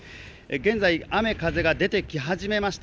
現在、雨・風が出てきはじめました